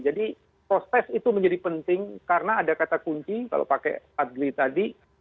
jadi proses itu menjadi penting karena ada kata kunci kalau pakai adli tadi